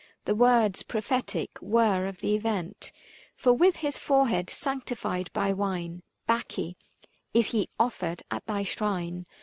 385 The words prophetic were of the event : For, with his forehead sanctified by wine, Bacche, is he offered at thy shrine.